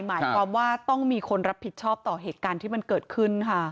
หมายความว่าต้องมีคนรับผิดชอบต่อเหตุการณ์ที่มันเกิดขึ้นค่ะ